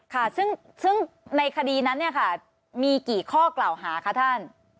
ค่ะซึ่งในคดีนั้นเนี่ยค่ะมีกี่ข้อกล่าวหาคะท่าน